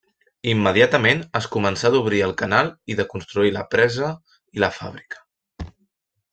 Immediatament, es començà d’obrir el canal i de construir la presa i la fàbrica.